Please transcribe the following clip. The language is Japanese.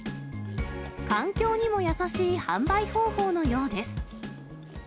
環境にも優しい販売方法のようです。